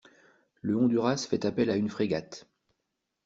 Le Honduras fait appel à une frégate.